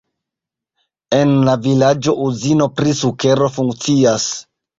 En la vilaĝo uzino pri sukero funkcias.